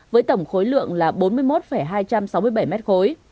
với tổng khối lượng là bốn mươi một hai trăm sáu mươi bảy mét khối